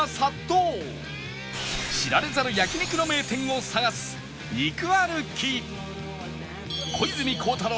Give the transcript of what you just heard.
知られざる焼肉の名店を探す肉歩き